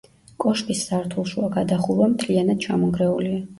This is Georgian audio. კოშკის სართულშუა გადახურვა მთლიანად ჩამონგრეულია.